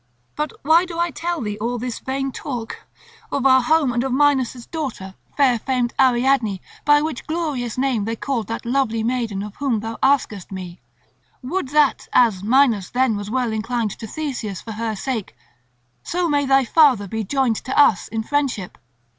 But why do I tell thee all this vain talk, of our home and of Minos' daughter, far famed Ariadne, by which glorious name they called that lovely maiden of whom thou askest me? Would that, as Minos then was well inclined to Theseus for her sake, so may thy father be joined to us in friendship!"